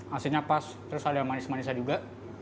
asinnya pas terus ada manis manisnya juga